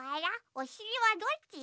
おしりはどっち？